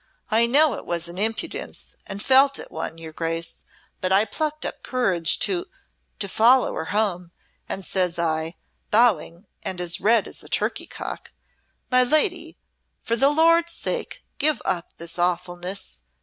I know it was an impudence, and felt it one, your Grace, but I plucked up courage to to follow her home, and says I, bowing and as red as a turkey cock, 'My lady, for the Lord's sake give up this awfulness.